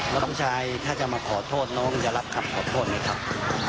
น้องชายถ้าจะมาขอโทษน้องจะรับคำขอโทษไหมครับ